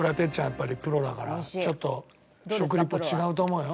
やっぱりプロだからちょっと食リポ違うと思うよ。